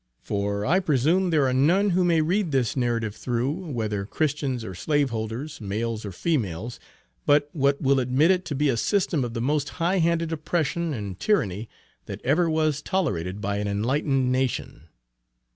For, I presume there are none who may read this narrative through, whether Christians or slaveholders, males or females, but what will admit it to be a system of the most high handed oppression and tyranny that ever was tolerated by an enlightened nation.